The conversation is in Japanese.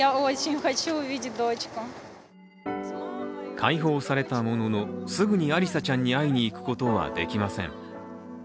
解放されたものの、すぐにアリサちゃんに会いに行くことはできません。